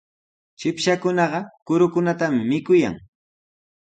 Chipshakunaqa kurukunatami mikuyan.